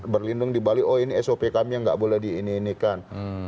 berlindung di bali oh ini sop kami yang nggak boleh di ini inikan